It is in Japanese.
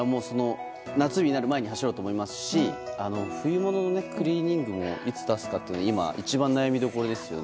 夏日になる前に走ろうと思いますし冬物のクリーニングもいつ出すかって一番悩みどころですよね。